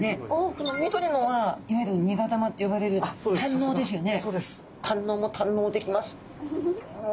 この緑のはいわゆる苦玉って呼ばれる胆のうですよね。